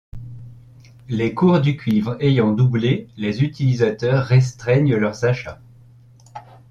Les cours du cuivre ayant doublé, les utilisateurs restreignent leurs achats.